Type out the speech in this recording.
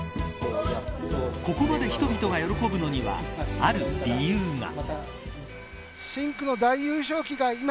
ここまで人々が喜ぶのにはある理由が。